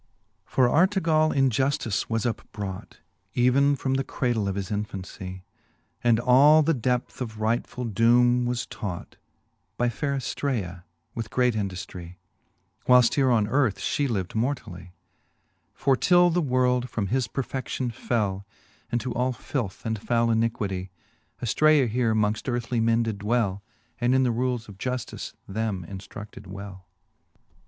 V. For Canto I. the Faerie ^iueene, 7 V. For Artegall In juftice was upbrought Even from the cradle of his infancie, And all the depth of rightfuU doome was taught By faire AJlraaj with great induftrie, Whileft here on earth fhe lived mortallie. For till the world from his perfedion fell Into all filth and foule iniquitie, Afircea here mongft earthly men did dwell, And in the rules of juftice them inftruded well.